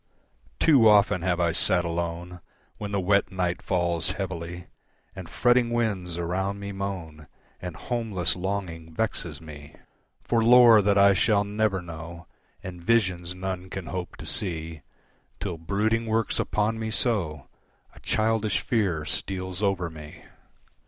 Too often have I sat alone When the wet night falls heavily, And fretting winds around me moan, And homeless longing vexes me For lore that I shall never know, And visions none can hope to see, Till brooding works upon me so A childish fear steals over me.